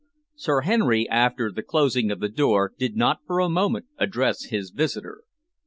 Sir Henry, after the closing of the door, did not for a moment address his visitor.